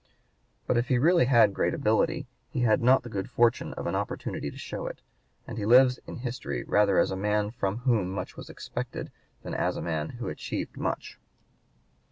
But if he really had great ability he had not the good fortune of an opportunity to show it; and he lives in history rather as a man from whom much was expected than as a man who achieved (p. 158) much.